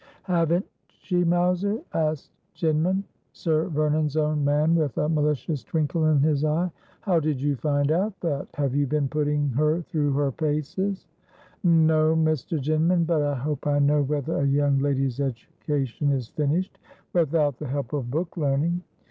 'Haven't she, Mowser V asked Jinman, Sir Ternon's own man, with a malicious twinkle in his eye. ' How did }'ou find out that ? Have you been putting her through her paces '?'' No, Mr. Jinman ; but I hope I know whether a young lady's education is finished, without the help of book learning.